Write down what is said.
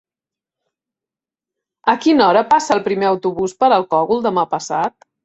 A quina hora passa el primer autobús per el Cogul demà passat?